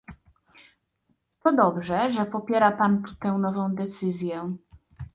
To dobrze, że popiera Pan tu tę nową decyzję